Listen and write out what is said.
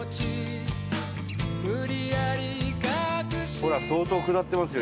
ほら相当下ってますよ